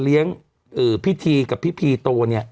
เลี้ยงพี่ทีกับพี่พีตัวเนี่ย